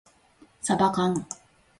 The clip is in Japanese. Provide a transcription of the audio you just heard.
さばかん